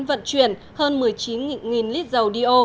vận chuyển hơn một mươi chín lít dầu do